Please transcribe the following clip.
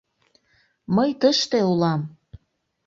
— Мый тыште улам!